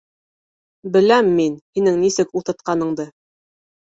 — Беләм мин һинең нисек ултыртҡаныңды.